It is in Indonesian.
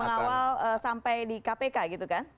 mengawal sampai di kpk gitu kan